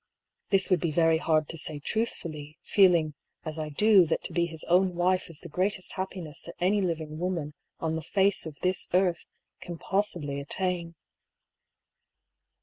This would be very hard to say truthfully, feeling, as I do, that to be his own wife is the greatest happiness that any living woman on the face of this earth can possibly attain.